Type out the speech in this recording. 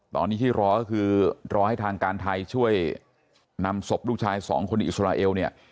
ตอนนี้รอแล้วทางการไทยช่วยนำศพลูกชายสองคนอิสราเอล